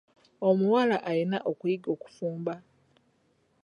Omuwala alina okuyiga okufumba.